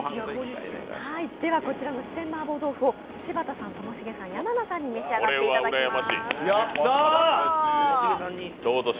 では、こちらの四川麻婆豆腐を柴田さん、ともしげさん、山名さんに召し上がっていただきます。